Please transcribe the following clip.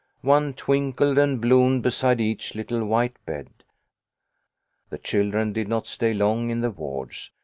One twinkled and bloomed beside each little white bed. The children did not stay long in the wards.